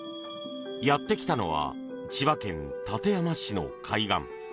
やってきたのは千葉県館山市の海岸。